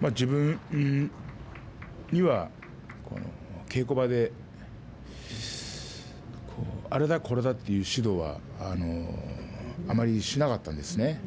今、自分には稽古場であれだ、これだという指導はあまりしなかったんですね。